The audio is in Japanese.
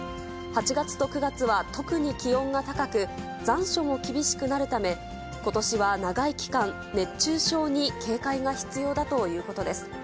８月と９月は特に気温が高く、残暑も厳しくなるため、ことしは長い期間、熱中症に警戒が必要だということです。